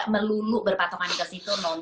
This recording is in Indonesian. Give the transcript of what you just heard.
melulu berpatokan dikasih itu noong